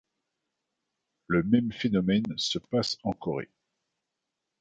Le même phénomène se passe en Corée.